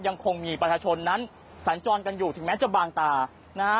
ยังคงมีประชาชนนั้นสัญจรกันอยู่ถึงแม้จะบางตานะฮะ